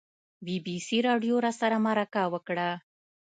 بي بي سي راډیو راسره مرکه وکړه.